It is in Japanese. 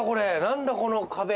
何だこの壁。